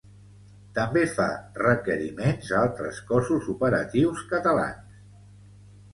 També fa requeriments a altres cossos operatius catalans.